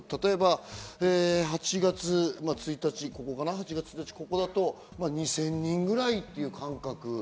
例えば８月１日、ここだと２０００人ぐらいっていう感覚。